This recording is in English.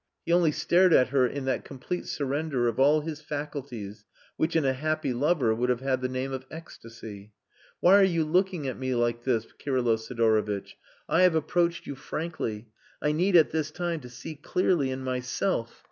He only stared at her in that complete surrender of all his faculties which in a happy lover would have had the name of ecstasy. "Why are you looking at me like this, Kirylo Sidorovitch? I have approached you frankly. I need at this time to see clearly in myself...."